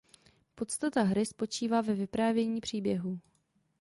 Podstata hry spočívá ve „vyprávění příběhů“.